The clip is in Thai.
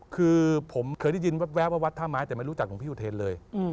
คือผมเคยได้ยินแว๊บว่าวัดท่าไม้แต่ไม่รู้จักหลวงพี่อุเทนเลย